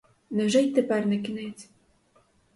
Невже й тепер не кінець!